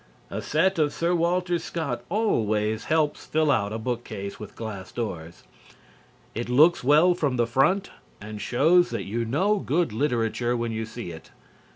A set of Sir Walter Scott always helps fill out a bookcase with glass doors. It looks well from the front and shows that you know good literature when you see it.